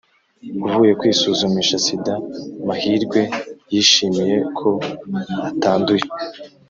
avuye kwisuzumisha sida mahirwe yishimiye ko atanduye